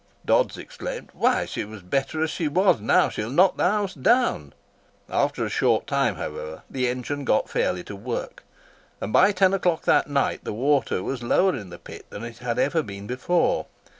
Dodds exclaimed, "Why, she was better as she was; now, she will knock the house down." After a short time, however, the engine got fairly to work, and by ten o'clock that night the water was lower in the pit than it had ever been before.